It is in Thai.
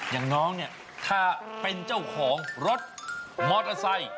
อย่างน้องเนี่ยถ้าเป็นเจ้าของรถมอเตอร์ไซค์